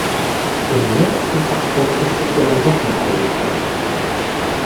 Im letzen Abdruck ist es ihr dann doch noch eingefallen.